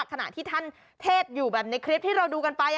ขณะที่ท่านเทศอยู่แบบในคลิปที่เราดูกันไป